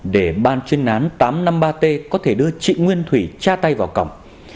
để ban chuyên án tám trăm năm mươi ba t có thể đưa chị nguyên thủy ra tay vào cổng